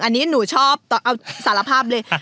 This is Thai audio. อันนี้หนูชอบเอาสารภาพเลย